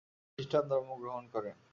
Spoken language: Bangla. তিনি খ্রিস্টান ধর্ম গ্রহণ করেন।